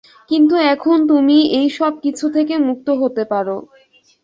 কিন্তু, এখন তুমি, এই সব কিছু থেকে মুক্ত হতে পারো।